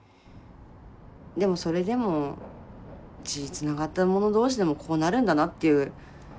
でもそれでも血つながった者同士でもこうなるんだなっていう感じですかね